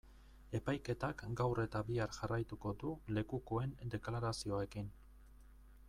Epaiketak gaur eta bihar jarraituko du lekukoen deklarazioekin.